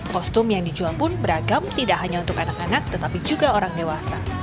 kostum yang dijual pun beragam tidak hanya untuk anak anak tetapi juga orang dewasa